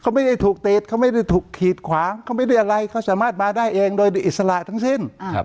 เขาไม่ได้ถูกติดเขาไม่ได้ถูกขีดขวาเขาไม่ได้อะไรเขาสามารถมาได้เองโดยอิสระทั้งสิ้น